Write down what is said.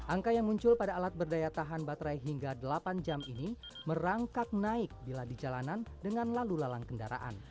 angka yang muncul pada alat berdaya tahan baterai hingga delapan jam ini merangkak naik bila di jalanan dengan lalu lalang kendaraan